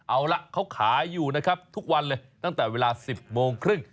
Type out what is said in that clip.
เอาละเขาขายอยู่นะครับทุกวันเลยตั้งแต่เวลา๑๐โมงครึ่ง